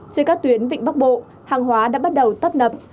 trên các tuyến vịnh bắc bộ hàng hóa đã bắt đầu tấp nập